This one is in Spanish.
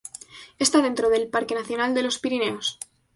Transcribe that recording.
Está dentro del Parque Nacional de los Pirineos.